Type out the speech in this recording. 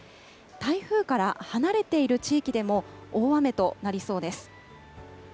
台風から離れている地域でも、大雨となりそうです。